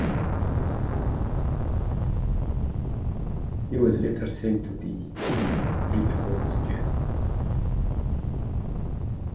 He was later sent to the Bridgeport Jets.